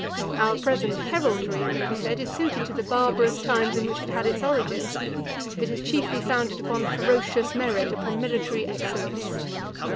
Our present heraldry, it may be said, is suited to the barbarous times in which it had its origin. It is chiefly founded upon ferocious merit, upon military excellence.